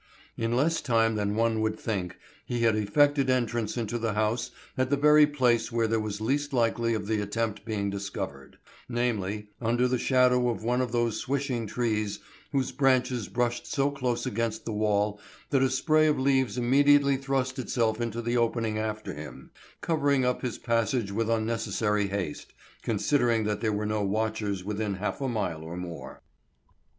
In less time than one would think, he had effected entrance into the house at the very place where there was least likelihood of the attempt being discovered, namely, under the shadow of one of those swishing trees whose branches brushed so close against the wall that a spray of leaves immediately thrust itself into the opening after him, covering up his passage with unnecessary haste, considering that there were no watchers within half a mile or more.